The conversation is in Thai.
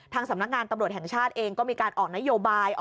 สำนักงานตำรวจแห่งชาติเองก็มีการออกนโยบาย